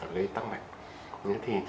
gây tăng mạch